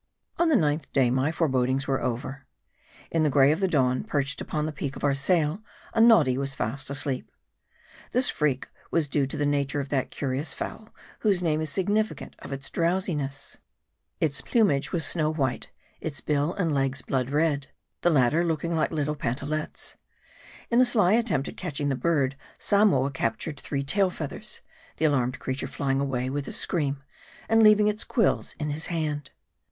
On the ninth day my forebodings were over. In the gray of the dawn, perched upon the peak of our sail, a noddy was seen fast asleep. This freak was true to the nature of that curious fowl, whose name is significant of its MARDT. 151 drowsiness. Its plumage was snow white, its bill and legs blood red ; the latter looking like little pantalettes. In a sly attempt at catching the bird, Samoa captured three tail feathers ; the alarmed creature flying away with a scream, and leaving its quills in his hand.